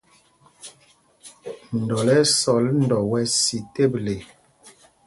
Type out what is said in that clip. Ndɔl ɛ́ ɛ́ sɔl ndɔ wɛ́ sī teble.